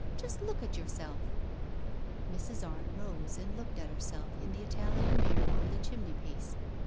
Just look at yourself !" Mrs. Arne rose and looked at herself in the Italian mirror over the chimney piece.